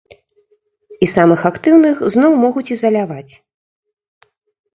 І самых актыўных зноў могуць ізаляваць.